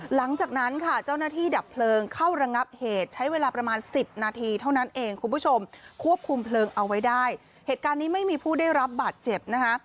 หลังจากนั้นค่ะเจ้าหน้าที่ดับเพลิงเข้าระงับเหตุใช้เวลาประมาณสิบนาทีเท่านั้นเองคุณผู้ชมควบคุมเพลิงเอาไว้ได้เหตุการณ์นี้ไม่มีผู้ได้รับบาดเจ็บนะคะ